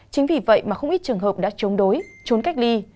chính vì vậy mà không ít trường hợp đã chống đối trốn cách ly